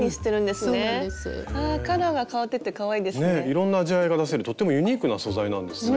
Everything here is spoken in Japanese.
いろんな味わいが出せるとってもユニークな素材なんですね。